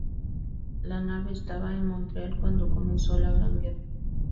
La nave estaba en Montreal cuando comenzó la Gran Guerra.